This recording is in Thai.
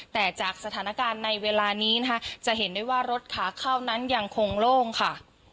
แต่จากสถานการณ์ในเวลานี้นะคะจะเห็นได้ว่ารถขาเข้านั้นยังคงโล่งค่ะ